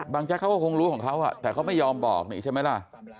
แจ๊กเขาก็คงรู้ของเขาแต่เขาไม่ยอมบอกนี่ใช่ไหมล่ะ